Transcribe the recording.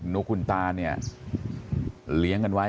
ุ๊กคุณตาเนี่ยเลี้ยงกันไว้